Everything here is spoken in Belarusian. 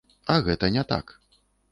А гэта не так.